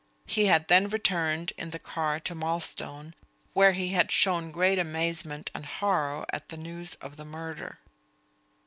He had then returned in the car to Marlstone, where he had shown great amazement and horror at the news of the murder.